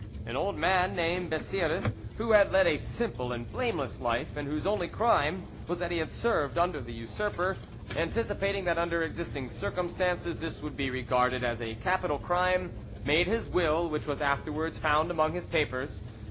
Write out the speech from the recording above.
"An old man named Bessieres, who had led a simple and blameless life, and whose only crime was that he had served under the Usurper, anticipating that under existing circumstances this would be regarded as a capital crime, made his will, which was afterwards found among his papers.